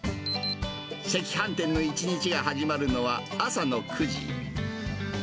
関飯店の一日が始まるのは、朝の９時。